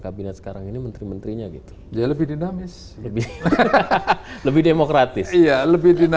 kabinet sekarang ini menteri menterinya gitu jadi lebih dinamis lebih lebih demokratis iya lebih dinami